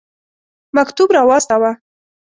مکتوب را واستاوه.